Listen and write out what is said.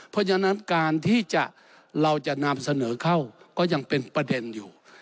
เพราะฉะนั้นการที่เราจะนำเสนอเข้าก็ยังเป็นประเด็นอยู่